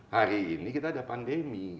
hari ini kita ada pandemi